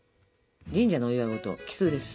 神社のお祝い事奇数です。